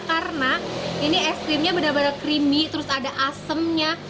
karena ini es krimnya benar benar creamy terus ada asemnya